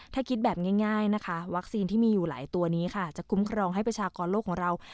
ถ้าคิดแบบง่ายนะคะวัคซีนที่มีอยู่หลายตัวนี้ค่ะจะคุ้มครองให้ประชากรโลกของเรา